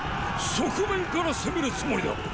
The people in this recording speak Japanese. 側面から攻めるつもりだっ！